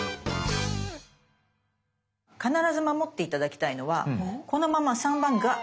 必ず守って頂きたいのはこのまま３番ガー